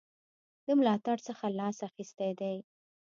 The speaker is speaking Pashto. د ملاتړ څخه لاس اخیستی دی.